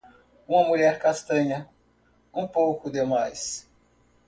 Uma mulher castanha, um pouco demais.